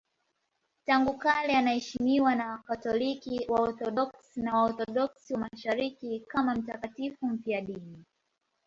Tangu kale anaheshimiwa na Wakatoliki, Waorthodoksi na Waorthodoksi wa Mashariki kama mtakatifu mfiadini.